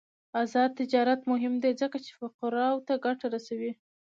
آزاد تجارت مهم دی ځکه چې فقراء ته ګټه رسوي.